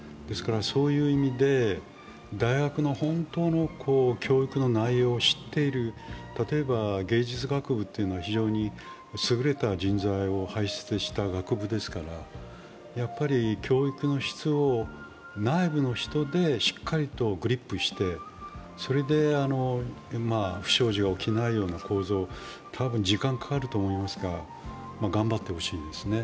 そういう意味で大学の本当の教育の内容を知っている例えば、芸術学部というのは非常に優れた人材を輩出した学部ですから、教育の質を内部の人でしっかりとグリップしてそれで不祥事が起きないような構造、多分、時間がかかると思いますが頑張ってほしいですね。